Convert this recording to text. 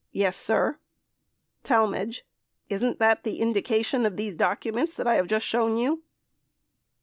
Yes, sir. Talmadge. Isn't that the indication of these documents that I have just shown you